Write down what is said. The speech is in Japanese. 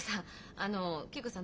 あの桂子さん